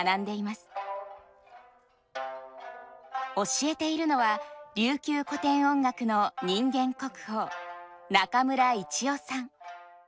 教えているのは琉球古典音楽の人間国宝中村一雄さん。